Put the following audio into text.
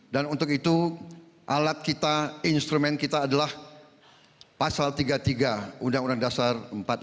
dan untuk itu alat kita instrumen kita adalah pasal tiga puluh tiga undang undang dasar empat puluh lima